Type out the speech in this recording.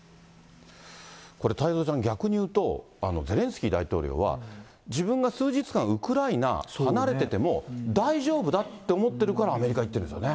これ太蔵ちゃん、逆に言うと、ゼレンスキー大統領は、自分が数日間、ウクライナ離れてても、大丈夫だって思ってるから、アメリカ行ってるんですよね。